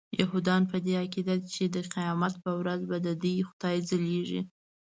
یهودان په دې عقیده دي چې د قیامت په ورځ به ددوی خدای ځلیږي.